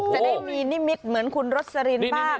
จะได้มีนิมิตเหมือนคุณรสลินบ้าง